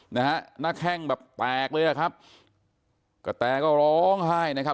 นะฮะหน้าแข้งแบบแตกเลยอ่ะครับกระแตก็ร้องไห้นะครับ